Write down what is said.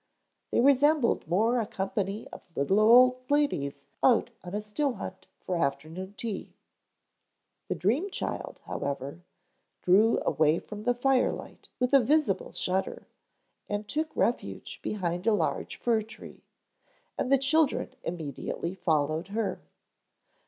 They resembled more a company of little old ladies out on a still hunt for afternoon tea. The dream child, however, drew away from the firelight with a visible shudder, and took refuge behind a large fir tree, and the children immediately followed her.